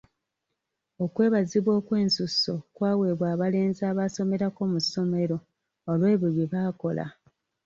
Okwebaza okwensuso kwawebwa abalenzi abaasomerako mu ssomero olw'ebyo bye baakola.